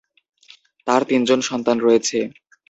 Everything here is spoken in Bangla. তার তিনজন সন্তান রয়েছে।